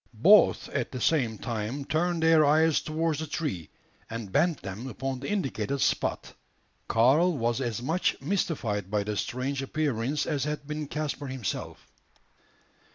Both at the same time turned their eyes towards the tree, and bent them upon the indicated spot. Karl was as much mystified by the strange appearance as had been Caspar himself.